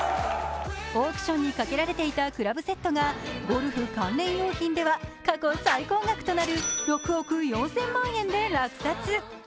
オークションにかけられていたクラブセットがゴルフ関連用品では過去最高額となる６億４０００万円で落札。